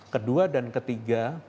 kedua dan ketiga pengendalian mobilitas